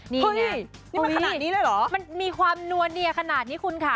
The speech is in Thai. นี่นี่มันขนาดนี้เลยเหรอมันมีความนัวเนียขนาดนี้คุณค่ะ